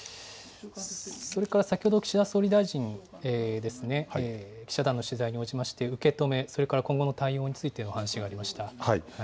それから先ほど岸田総理大臣、記者団の取材に応じまして受け止め、それから今後の対応についてお話がありました。